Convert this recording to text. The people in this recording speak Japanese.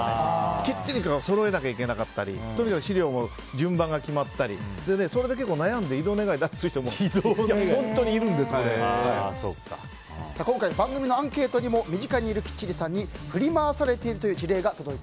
きっちり揃えなきゃいけなかったり資料の順番が決まってたりそれで結構悩んで異動願、出す人も今回、番組のアンケートにも身近にいるきっちりさんに振り回されている事例